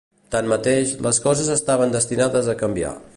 Tanmateix, les coses estaven destinades a canviar.